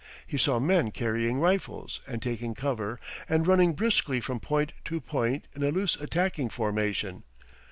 He saw men carrying rifles and taking cover and running briskly from point to point in a loose attacking formation.